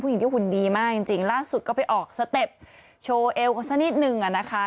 หญิงที่หุ่นดีมากจริงล่าสุดก็ไปออกสเต็ปโชว์เอวกันสักนิดนึงอะนะคะ